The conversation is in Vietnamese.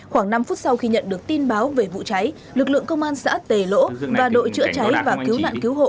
khoảng năm phút sau khi nhận được tin báo về vụ cháy lực lượng công an xã tề lỗ và đội chữa cháy và cứu nạn cứu hộ